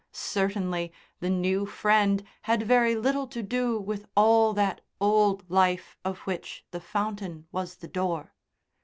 Certainly the new friend had very little to do with all that old life of which the fountain was the door.